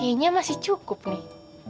kayaknya masih cukup nih